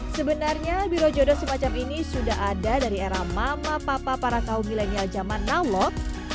sebenarnya biro jodoh semacam ini sudah ada dari era mama papa para kaum milenial zaman now loh